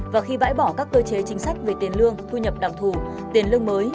và khi bãi bỏ các cơ chế chính sách về tiền lương thu nhập đặc thù tiền lương mới